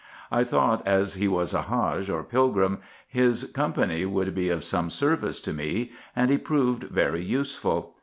I thought, as he was a Hadge, or pilgrim, his company would be of some service to me ; and he proved very useful.